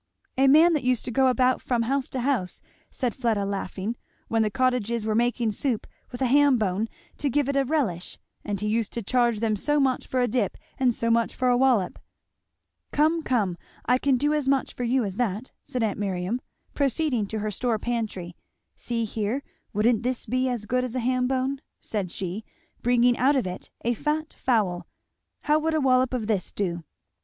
"A man that used to go about from house to house," said Fleda laughing, "when the cottages were making soup, with a ham bone to give it a relish, and he used to charge them so much for a dip, and so much for a wallop." "Come, come, I can do as much for you as that," said aunt Miriam, proceeding to her store pantry, "see here wouldn't this be as good as a ham bone?" said she, bringing out of it a fat fowl; "how would a wallop of this do?"